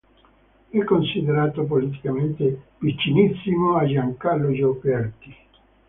È considerato politicamente vicinissimo a Giancarlo Giorgetti.